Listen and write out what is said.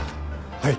はい。